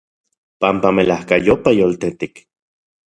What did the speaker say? Panpa melajkayopa yoltetik.